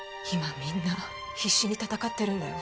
みんな必死に戦ってるんだよ